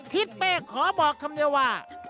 ทิศเป้ขอบอกคำนวา